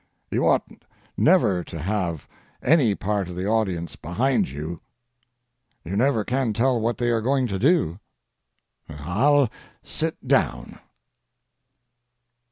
You ought never to have any part of the audience behind you; you never can tell what they are going to do. I'll sit down.